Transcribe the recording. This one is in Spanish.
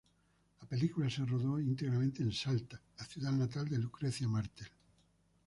La película se rodó íntegramente en Salta, la ciudad natal de Lucrecia Martel.